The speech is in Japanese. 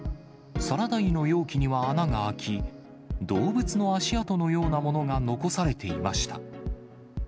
サラダ油の容器には穴が開き、動物の足跡のようなものが残されていました。